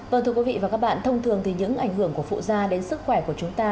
vâng thưa quý vị và các bạn thông thường thì những ảnh hưởng của phụ gia đến sức khỏe của chúng ta